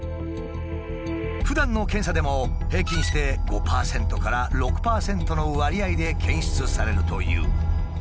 ふだんの検査でも平均して５％から６％の割合で検出されるという。